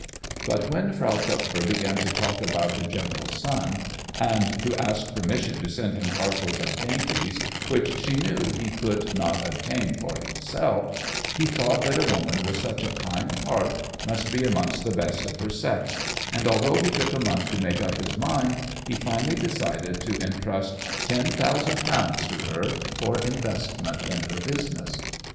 But when Frau Kupfer began to talk about the general's son, and to ask permission to send him parcels of dainties, which she knew he could not obtain for himself, he thought that a woman with such a kind heart must be amongst the best of her sex, and although he took a month to make up his mind he finally decided to entrust ten thousand pounds to her for investment in her business.